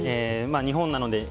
日本なので。